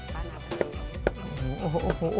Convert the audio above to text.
ปะน้าวตี